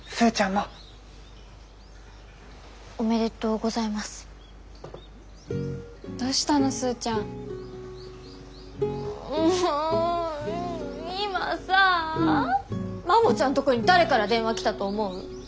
もう今さぁマモちゃんとこに誰から電話来たと思う？